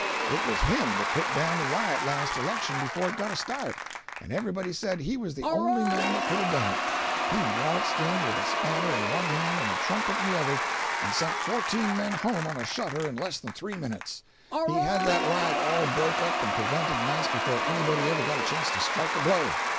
It was him that put down the riot last election before it got a start; and everybody said he was the only man that could have done it. He waltzed in with a spanner in one hand and a trumpet in the other, and sent fourteen men home on a shutter in less than three minutes. He had that riot all broke up and prevented nice before anybody ever got a chance to strike a blow.